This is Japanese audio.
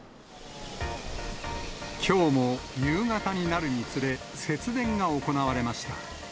きょうも夕方になるにつれ、節電が行われました。